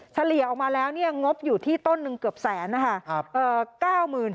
เฉลี่ยออกมาแล้วเนี่ยงบอยู่ที่ต้นหนึ่งเกือบแสนนะคะ